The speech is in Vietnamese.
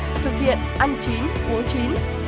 thực hiện ăn chín uống chín